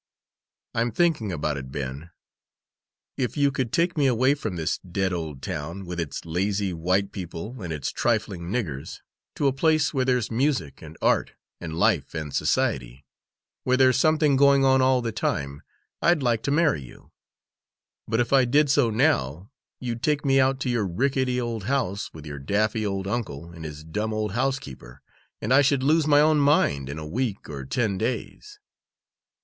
"I'm thinking about it, Ben. If you could take me away from this dead old town, with its lazy white people and its trifling niggers, to a place where there's music and art, and life and society where there's something going on all the time, I'd like to marry you. But if I did so now, you'd take me out to your rickety old house, with your daffy old uncle and his dumb old housekeeper, and I should lose my own mind in a week or ten days.